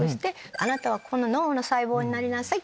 「あなたは脳の細胞になりなさい」と